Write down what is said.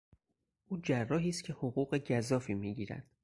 او جراحی است که حقوق گزافی میگیرد.